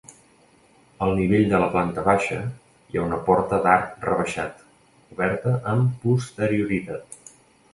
Al nivell de la planta baixa hi ha una porta d'arc rebaixat, oberta amb posterioritat.